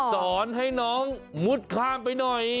สอนให้น้องมุดข้ามไปหน่อย